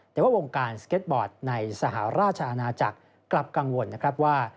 แต่ว่าวงการสเก็ตบอร์ดในสหราชอาณาจักรกลับกังวลนะครับว่า